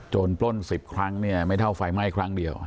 ปล้น๑๐ครั้งเนี่ยไม่เท่าไฟไหม้ครั้งเดียว